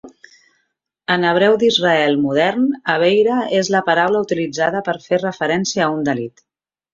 En hebreu d'Israel modern, "aveira" és la paraula utilitzada per fer referència a un delit.